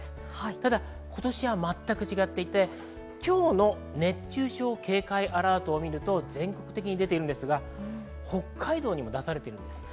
ただ今年は全く違っていて、今日の熱中症警戒アラートを見ると全国的に出ていますが、北海道にも出されています。